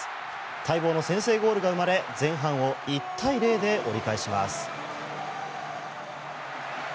待望の先制ゴールが生まれ前半を１対０で折り返します。